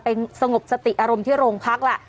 สงบสติอารมณ์ที่โรงพักล่ะ